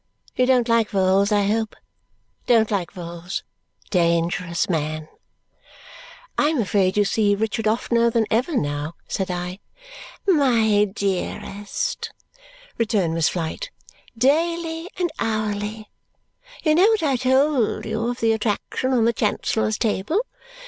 You don't like Vholes, I hope? DON'T like Vholes. Dan gerous man!" "I am afraid you see Richard oftener than ever now," said I. "My dearest," returned Miss Flite, "daily and hourly. You know what I told you of the attraction on the Chancellor's table?